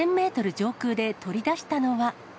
上空で取り出したのは。